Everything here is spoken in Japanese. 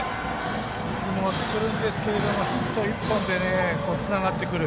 リズムを作るんですけどヒット１本でつながってくる。